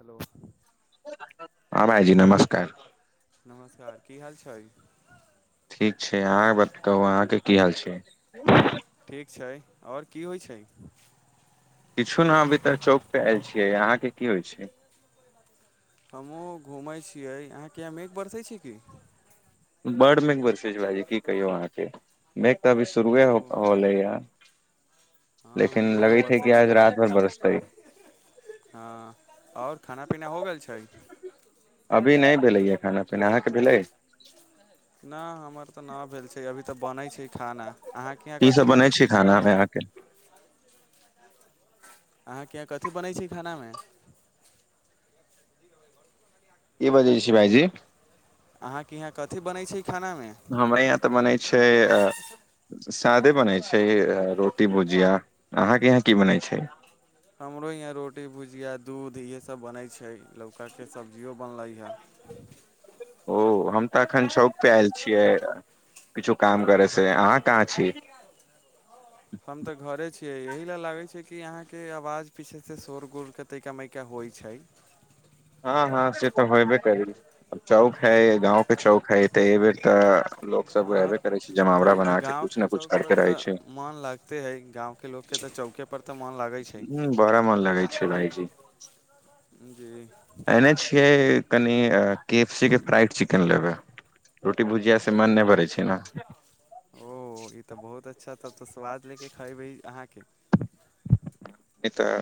hello हं बाई जी नमस्कार नमस्कार की हाल छै ठीक छै अहाँ बट अहाँके की हाल छै ठीक छै और की होइ छै किछु न अभी तऽ चौक प आयल छियै अहाँके की होइ छै हमहूँ घुमय छियै अहाँके यहां मेघ बरसै छै कि बड्ड मेघ बरसे छै भाइजी की कहियौ अहाँके मैघ तऽ अभी शुरुए होले य हँ हमरो यहाँ बरसै आज छै रात भर बरसतै हँ ओर खाना पीना हो गेल छै अभी नहि भेलैय खाना पीना अहाँके भेलै नहि हमर तऽ नहि भेल छै अभी तऽ बनय छै खाना अहाँके यहाँ की सब कथी बनै बनय छै खाना मे अहाँके अहाँके यहाँ कथी बनैत छै खानामे ई बजै छै भायजी अहाँके यहाँ कथी बनै छै खाना मे हमरे यहाँ तऽ बनै छै आ सादे बनै छै रोटी भुजिया अहाँके यहाँ की बनै छै हमरो यहाँ रोटी भुजिया दूध इहे सभ बनैत छै लौकके सब्जियो बनलै हे ओ हम तऽ अखन चौक पे आयल छियै किछु काम करे से अहाँ कहाँ छी हम तऽ घरे छियै एहि लए लागैत छै कि अहाँके आवाज पीछेसँ शोर गुल कऽ तैका मैका होइत छै हँ हँ से तऽ होबे करी चौक है गाँंव के चौक है तऽ एहि बेेर तऽ लोक सब हँ रहबे करे छै तऽ जमावड़ा बना के कुछ गाँवके ने कुछ चौक पर करते रहे छै तऽ मोन लगते है गाँव के लोकके तऽ चौके पर तऽ मोन लागय छै ह बड़ा मन लगे छै भाईजी जी एने छियै कन के एफ सी के फ्राइड चिकेन लेबय रोटी भुजिया से मन नहि भरै छै ने ओ ई तऽ बहुत अच्छा तब तऽ स्वाद लेके खयबै अहाँके [inaudible] ई तऽ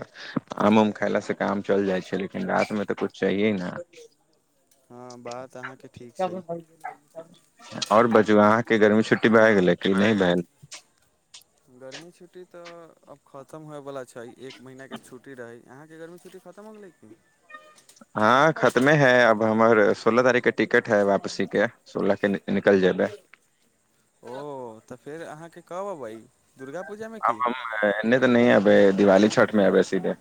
आम उम खयलासँ काम चलि जाइ छै लेकिन रातिमे तऽ कछु चाहिये ने हँ बात अहाँके ठीक छै आओर बाजू अहाँके गर्मी छुट्टी भए गेलै कि भए नहि गेलै भएल गर्मी छुट्टी तऽ अब खतम होएवला छै एक महिना के छुट्टी रहै अहाँके गर्मी छुट्टी खतम हो गेलै की हँ खतमे हैं अब हमर सोलह तारीख के टिकट है वापसी के सोलह के निक निकलि जेबय ओ त फेर अहाँके कब अबै दुर्गा पूजा मे आब की हम एने तऽ नहिये एबै दिवाली छठ मे एबै सीधे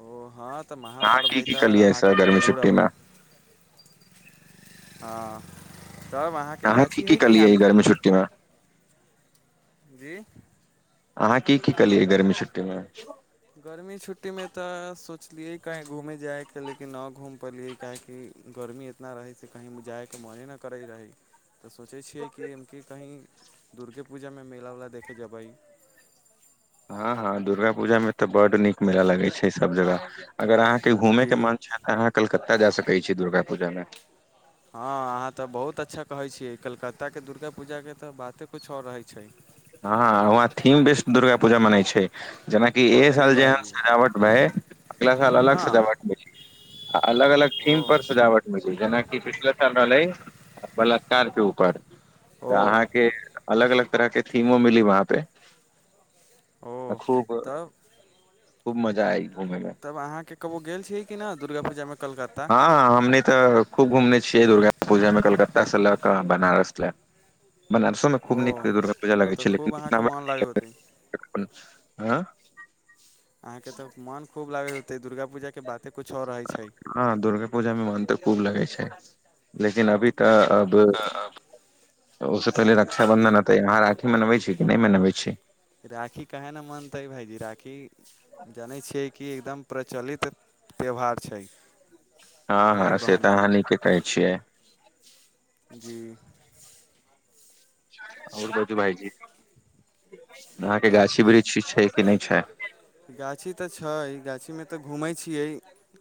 ओ हँ तऽ वहाँ अहाँ पर्व की हइ की तऽ कलियै अहाँके सर तऽ गर्मी जरूर छुट्टी अबै मे हँ तब अहाँके गाछी है की आम के के [unintelligible] जी अहाँ की की कलियै गर्मी छुट्टी मे गर्मी छुट्टीमे तऽ सोचलियै कहीँ घूमै जाइके लेकिन नहि घूमि पयलियै काहेकि गर्मी इतना रहै से कहीँ जायके मने नहि करै रहै तऽ सोचय छियै कि एमके कहीं दुर्गे पूजामे मेला उला देखे जेबय हँ हँ दुर्गा पूजा मे तऽ बड़ नीक मेला लगे छै सब जगह अगर अहाँके घूमे जी के मन छै अहाँ कलकत्ता जा सकैत छी दुर्गा पूजा मे हँ अहाँ तऽ बहुत अच्छा कहैत छियै कलकत्ताके दुर्गा पूजाके तऽ बाते कछ आओर रहैत छै हँ वहाँ थिम बिस दुर्गा पूजा मनय छै जेनाकि ए जी साल जेहन भाइजी सजावट भए अगला साल अलग हँ सजावट मिल अलग अलग ओ थीम पर सजावट जेनाकि पिछला साल रहलै बलात्कार के ऊपर तऽ ओ अहाँके अलग अलग तरहके थीमो मिली वहाँ पे ओ खूब तब खूब मजा आइ घूमे मे तब अहाँके कबौ गेल छियै कि न दुर्गा पूजामे कलकत्ता हँ हमनी तऽ खूब घूमने छियै दुर्गा पूजा मे कलकत्ता से ले क बनारस लए बनारसोमे ओ खूब नीक दुर्गा पूजा तब लगै तऽ छै खूब अहाँके लेकिन मोन लागै होतै अहाँके तऽ मोन खूब लागैत होतै दुर्गा पूजाके त बाते किछु आओर रहैत छै हँ दुर्गा पूजा मे मन त खूब लगै छै लेकिन अभी त अब ओहिसँ पहिले रकााबंधन एतै अहाँ राखी मनबै छी कि नहि मनबैत छी राखी कहे न मनतै भाायजी राखी जानै छियै कि एकदम प्रचलित त्यौहार छै हँ भाय हँ से त बहिनके अहाँ नीके कहै छियै जी आओर बाजू भाईजी अहाँके तऽ गाछी वृक्ष छै कि नहि छै गाछी त छै गाछीमे त घूमै छियै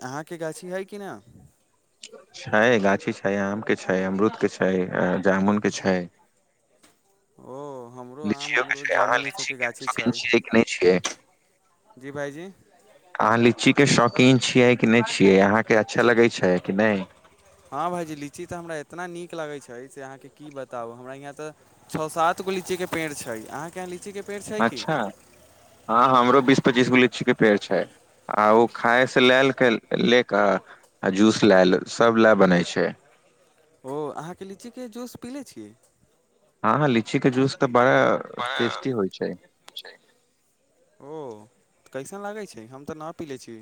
अहाँके गाछी अइ कि न छै गाछी छै आम के छै अमरूद के छै जामुन के छै ह ओ हमरो आम लीचियो के अमरूद छै अहाँ जामुन ई लीची सबके के गाछी छै शौकीन छियै कि नहि छियै जी भाइजी अहाँ लीचीके शौकीन छियै कि नहि छियै अहाँके अच्छा लगैत छै कि नहि हँ भाइजी लीची त हमरा इतना नीक लगैत छै से अहाँके की बताउ हमरा हियाँ त छओ सात गो लीची के पेड़ छै अहाँके लीची के पेड़ से अच्छा हँ हमरो बीस पचीस गो लीची के पेड़ छै आ ओ खायसँ ल क ल‌ क आ जूस लेल सभ लए बनैत छै ओ अहाँके लीचीके जूस पी ले छीय हँ हँ लीची के जूस त बड़ा टेस्टी होइ छै ओ कैसन लागै छै हम त न पी लै छी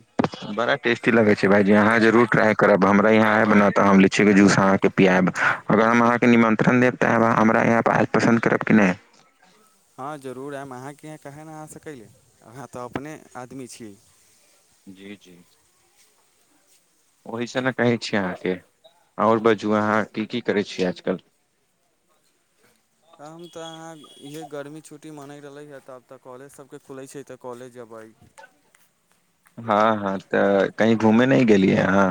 बराा टेस्टी लगे छै भायजी अहाँ जरूर टराय करब हमरा इहाँ आयब ने तऽ हम लीचीके जूस अहाँके पियाएब अगर हम अहाँके निमन्त्रण देब तै हमरा एहिऐप आइ पसन्द करब कि नहि हँ जरूर आयम अहाँके यहाँ कहै न अ सकले अहाँ त अपने आदमी छीयै जी जी ओहिसँ ने कहै छी अहाँके आओर बजू अहाँ की की करै छीयै आजकल हम त अहाँ इहे गर्मी छुट्टी मनैत रहले हँ त आब त कॉलेज सभके खुलै छै त कॉलेज जेबै हँ हँतऽ कही घूमे नहि गेलियै अहाँ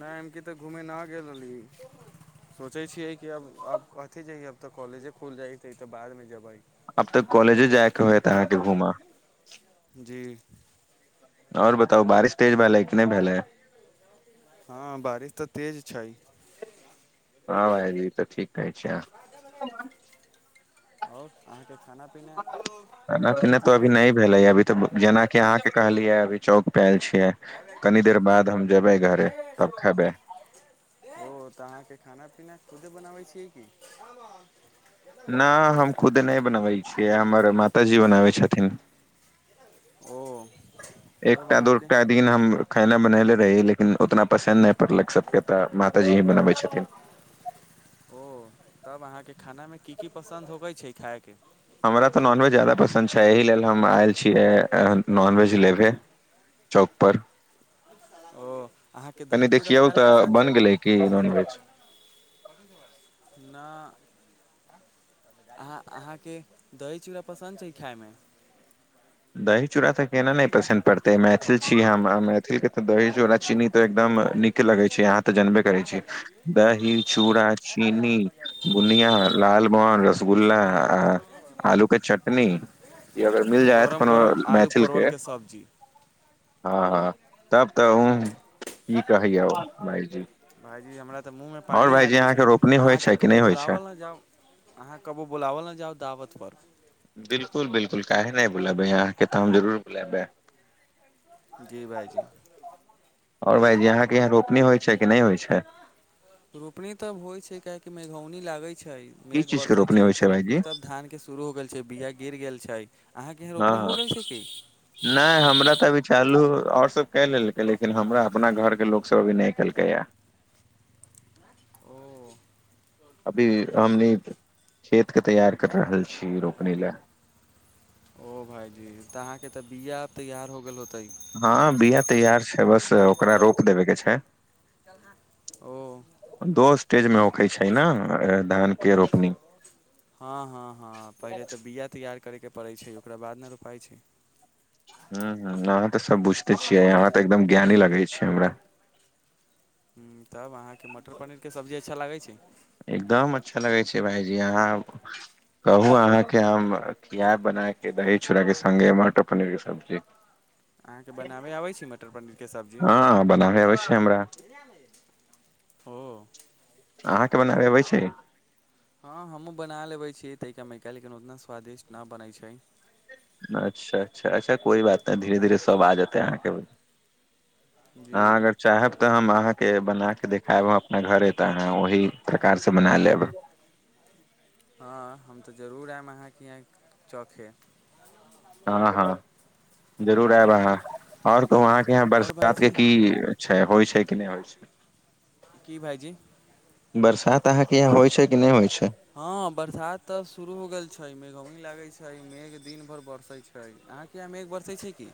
नहि हम कि त घूमे न गेल रहली सोचै छियै कि अब अब कथि जेह अब त कॉलेजे खुल जाइतै त बादमे जेबै अब तकॉलेजे जाय के होयत अहाँके घूमा जी आओर बता बारिश तेज भेलै कि नहि भेलै हँ बारिश त तेज छै हँ भाय ई त ठीक कहै छै आओर अहाँके खाना पीनामे खाना कथी पिना तो अभी खायके नहि भेलै अभी त जेनाकि अहाँके कहलियै अभी चौक पल छियै कनी देर बाद हम जेबे घरे तब खेबै ओ तऽ अहाँके खाना पीना खुदे बनाबै छियै कि नय हम खुद नहि बनबैत छियै हमर मातााजी बनाबै छथिन ओ तब एकटा अहाँके दूटा दिन हम खाना बनेले रहहि लेकिन उतना पसन्द नहि पड़लक सबके तऽ माताजी ही बनबै छथिन ओ तब अहाँके खानामे की की पसन्द होगै छै खायके हमरा तऽ नॉनवेज जादा पसन्द छै एहि लेल हम आयल छियै नॉनवेज लेके चौक पर ओ अहाँके दही कनि चूड़ा देखियौ खाय लेल तऽ पसन्द छै बन गेलै की नॉनवेज न अ अहाँके दही चूड़ा पसन्द छै खायमे दही चूड़ा त केना नहि पसन्द पड़तै मैथिल छी हम मैथिल के त दही चोरा चीनी ते एकदम निक लगे छै यहा तऽ जनबे करै छी दही चूड़ा चीनी बुनिया लालमोहन‌र रसगुला आलू के चटनी य अगर मिल जाय त गरम कोनो गरम आलू मैथिल के परवलके सब्जी हँ हँ तब तऽ क कहैया भायजी भायजी हमरा तऽ मूँहमे पानि आगै छै रोपनी होइ अहाँके छै कि कबो नहि होइ छै बुलावल नहि जाउ अहाँ कबु बुलावल ने जाउ दावत पर बिल्कुल बिल्कुल काहे नहि बुलबै अहाँके त हम जरूर बुलेबै जी भाईजी आओर भाईजी आहाँके यहाँ रोपनी होइ छै कि नहि होइ छै रोपनी तहोइ छै कियेकि मेघौनी लागैत छै की मेघ चीज के बरसै रोपनी छै होइ त भाईजी रोपनी तब धानके शुरू हो गेल छै बीया गिर गेल छै अहाँके एहन हँ रोपनि हँ हो गेल छै की नहि हमरा त [unintelligible] चलू आओर सब कएै लेलकै लेकिन हमरा अपना घरके लोकस अभी नहि केलकैए ओ अभी हमनी खेतके तैयार कर रहल छी रोपनी लै ओ भाइजी त अहाँके त बीआ तैयार हो गेल होतै हँ बिया तैयार छै बस ओकरा रोप देबे के छै ओ दो स्टेजमे होकै छै ने धानके रोपनी हँ हँ हँ पहिले त बीआ तैयार करैके पड़ै छै ओकरा बाद ने रोपाइ छै ह ह अहाँ त सब बुझते छियै अहाँ त एकदम ज्ञानी लगे छै हमरा ह तब अहाँकेँ मटर पनीरके सब्जी अच्छा लागै छै एकदम अच्छा लगै छै भायजी अहाँ कहू अहाँके हम किया बनाक दही चूड़ाके संगे मटर पनीरके सब्जी अहाँके बनाबे आबै छै मटर पनीरके सब्जी हँ बनाबे अबै छै हमरा ओ अहाँके बनाबे अबै छै हँ हमहु बना लेबे छियै तका मायका लेकिन उतना स्वादिष्ट नहि बनैत छै अच्छा अच्छा अच्छा कोई बात नहि धीरे धीरे सब आ जेतै अहाँके जी आग चाहब त हम अहाँके बना के देखायब अपना घरे त अहाँ ओहि प्रकार से बना लेब हँ हम तऽ जरूर आयब अहाँके यहां चखे हँ हँ जरूर आयब अहाँ आओर कहु अहाँके यहाँ आओर बरसात के भाइजी की छै होइ छै कि नय होइ छै की भाइजी बरसात अहाँके यहाँ होइ छै कि नहि होइ छै हँ बरसात त शुरू हो गेल छै मेघौनि लागैत छै मेघ दिन भर बरसे छै अहाँके यहाँ मेघ बरसै छै कि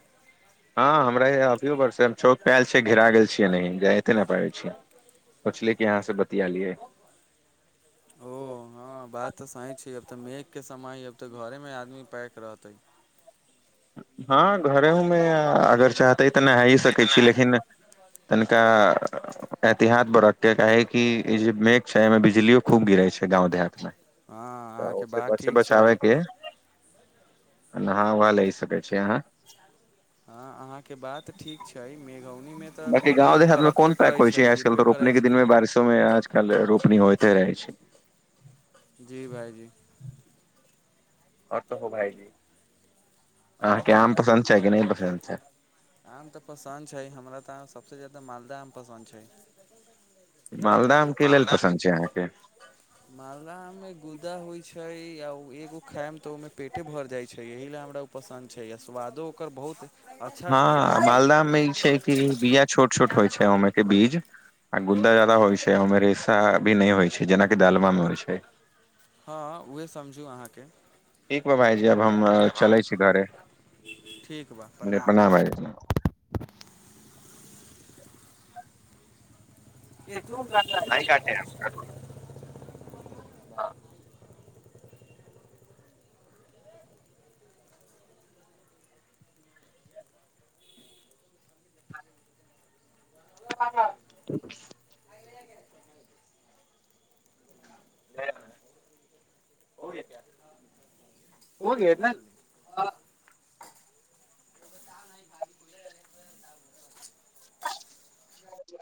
हँ हमरा अभियो बरसै छै हम चौक आयल छियै घिरा गेल छियै एनहि जाते नहि पाबै छियै पछले अहाँसँ बतियालियै ओ हँ बात त सही छै अब त मेघके समय है अब त घरेमे आदमी पैक रहतै हँ घरेहुमे अगर चाहतै तऽ नहा ही सकै छी लेकिन तनका ऐहतिहात बरत के काहे कि ई जे मेघ छै एहिमे बिजलियो खूब गिरे छै गाँव देहात मे हँ त ओ अहाँके बात बसे ठीक बच आ छै के हँ नहाँ उहाँ लै सकै छी अहाँ हँ अहाँके बात तऽ ठीक छै मेघौनीमे तऽ बाँकी बिजली गाँव देहातमे कोन करकबे करै पैक होइ छै आजकल तऽ गिरबे करै रोपनी के दिन छै मे बारिशो आजकल रोपनी होयते रहै छै जी भायजी ओ तऽ हो भाइजी आँहाँ आओर के आम सभ पसन्द छै कि नहि पसन्द छै आम तऽ पसन्द छै हमरा तऽ सभसँ जादा मालदह आम पसन्द छै मालदह आम के लेल मालदह पसन्द छै अहाँके मालदह आम मे गुद्दा होइ छै आ एगो खायम तऽ ओहिमे पेटे भर जाइ छै एहि‌ ला हमरा पसन्द छै आ स्वादो ओकर बहुत अच्छा रहै हँ छै मालदाह आम मे ई छै कि बिया छोट छोट होइ छै ओमे के बीज आ गुदा ज्यादा होइ छै ओहिमे रेशा भी नहि होइ छै जेनाकि डालमा मे होइ छै हँ उएह समझू अहाँके ठीक भाइजी अब हम चलै छी घरे ठीक बा प्रणाम भइजी तून कट [unintelligible] [inaudible] [inaudible] [inaudible] [unintelligible] [unintelligible] [unintelligible]